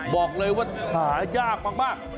บอกเลยว่าหายากมาก